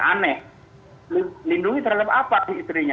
aneh lindungi terhadap apa istrinya